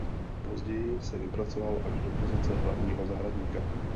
Později se vypracoval až do pozice hlavního zahradníka.